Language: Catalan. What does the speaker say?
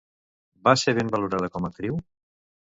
Va ser ben valorada com a actriu?